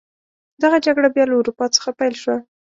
دغه جګړه بیا له اروپا څخه پیل شوه.